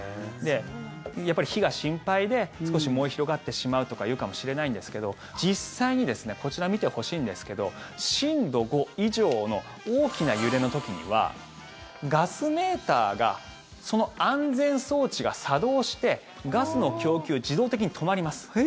やっぱり火が心配で少し燃え広がってしまうとか言うかもしれないんですけど実際にですねこちら見てほしいんですけど震度５以上の大きな揺れの時にはガスメーターがその安全装置が作動してガスの供給自動的に止まります。